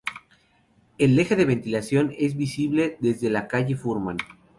El eje de ventilación es visible desde la Calle Furman.